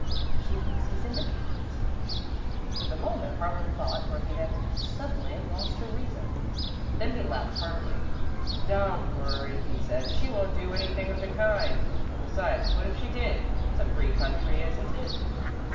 She thinks he's in the cat." For the moment, Harlan thought Dorothy had suddenly lost her reason, then he laughed heartily. "Don't worry," he said, "she won't do anything of the kind, and, besides, what if she did? It's a free country, isn't it?"